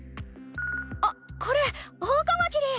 あっこれオオカマキリ！